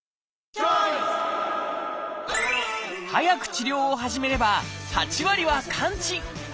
早く治療を始めれば８割は完治。